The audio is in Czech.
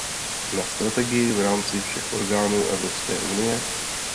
Na strategii v rámci všech orgánů Evropské unie?